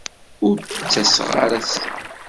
Ur d-ttaseɣ ara assa.